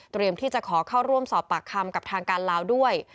ที่จะขอเข้าร่วมสอบปากคำกับทางการลาวด้วย